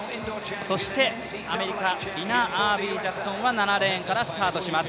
そしてアメリカリナ・アービージャクソンは７レーンからスタートします。